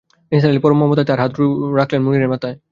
নিসার আলি পরম মমতায় তাঁর হাত রাখলেন মুনিরের মাথায়।